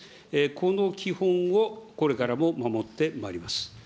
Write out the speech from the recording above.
この基本をこれからも守ってまいります。